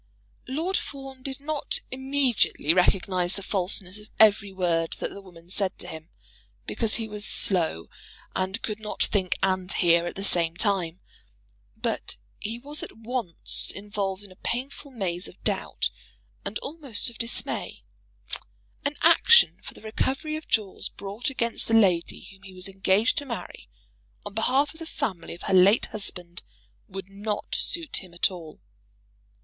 Lord Fawn did not immediately recognise the falseness of every word that the woman said to him, because he was slow and could not think and hear at the same time. But he was at once involved in a painful maze of doubt and almost of dismay. An action for the recovery of jewels brought against the lady whom he was engaged to marry, on behalf of the family of her late husband, would not suit him at all.